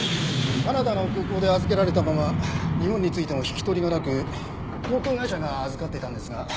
カナダの空港で預けられたまま日本に着いても引き取りがなく航空会社が預かっていたんですが。